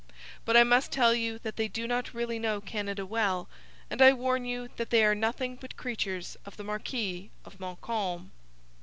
But I must tell you that they do not really know Canada well, and I warn you that they are nothing but creatures of the Marquis of Montcalm.'